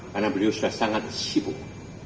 karena beliau sudah sangat sibuk